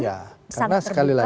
karena sekali lagi